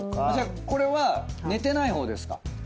これは寝てない方ですか？